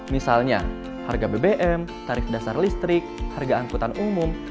misalnya harga bbm tarif dasar listrik harga angkutan umum